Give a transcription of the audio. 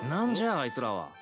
あいつらは。